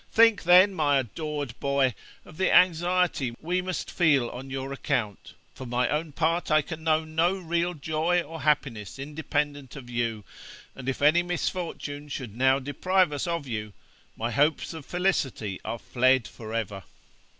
Think, then, my adored boy, of the anxiety we must feel on your account; for my own part, I can know no real joy or happiness independent of you, and if any misfortune should now deprive us of you, my hopes of felicity are fled for ever.